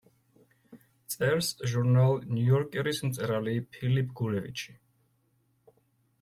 წერს ჟურნალ ნიუ-იორკერის მწერალი ფილიპ გურევიჩი.